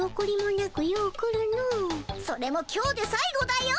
それも今日でさい後だよ。